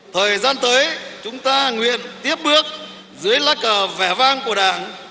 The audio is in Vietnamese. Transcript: thời gian tới chúng ta nguyện tiếp bước dưới lá cờ vẻ vang của đảng